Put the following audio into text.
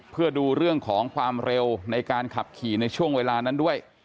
เพื่อดูเรื่องของความเร็วในการขับขี่ในช่วงเวลานั้นด้วย